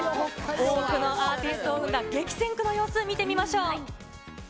多くのアーティストを生んだ激戦区の様子、見てみましょう。